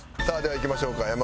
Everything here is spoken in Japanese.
さあではいきましょうか。